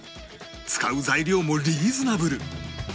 使う材料もリーズナブル